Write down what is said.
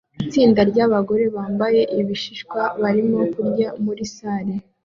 Itsinda ryabagabo bambaye ibishishwa barimo kurya muri salle